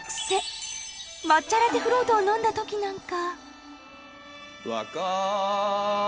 抹茶ラテフロートを飲んだ時なんか。